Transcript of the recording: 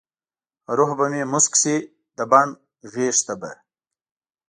روح به مې موسک شي د بڼ غیږته به ،